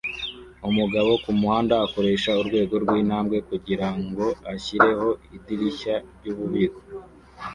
Umugabo kumuhanda akoresha urwego rwintambwe kugirango ashyireho idirishya ryububiko